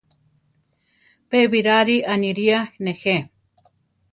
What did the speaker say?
Pe Birari aniría nejé.